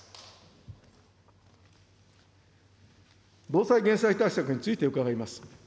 防災減災対策について伺います。